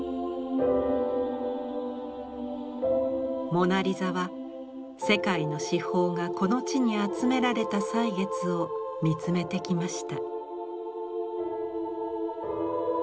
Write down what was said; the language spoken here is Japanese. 「モナ・リザ」は世界の至宝がこの地に集められた歳月を見つめてきました。